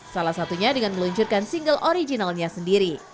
salah satunya dengan meluncurkan single originalnya sendiri